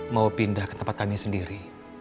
mau pindah ke tempat kami sendiri